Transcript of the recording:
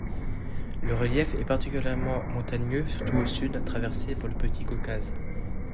Le relief est particulièrement montagneux, surtout au sud, traversé par le Petit Caucase.